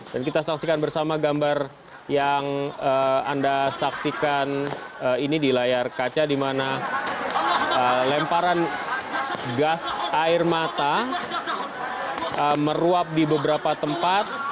dan kita saksikan bersama gambar yang anda saksikan ini di layar kaca di mana lemparan gas air mata meruap di beberapa tempat